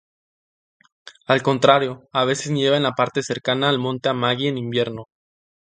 Al contrario a veces nieva en la parte cercana al monte Amagi en invierno.